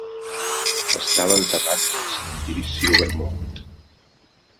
Estava enterrat al cementiri Silver Mount.